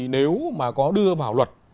nếu mà có đưa vào luật